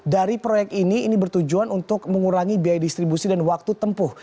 dari proyek ini ini bertujuan untuk mengurangi biaya distribusi dan waktu tempuh